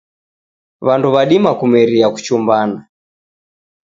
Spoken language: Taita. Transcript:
Wandu wadima kumeria kuchumbana.